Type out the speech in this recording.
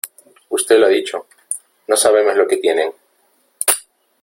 usted lo ha dicho , no sabemos lo que tienen .